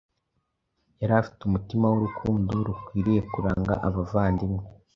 Yari afite umutima w’urukundo rukwiriye kuranga abavandimwe